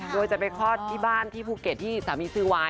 โดยจะไปคลอดที่บ้านที่ภูเก็ตที่สามีซื้อไว้